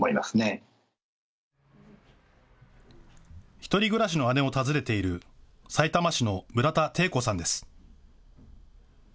１人暮らしの姉を訪ねているさいたま市の村田貞子さんです。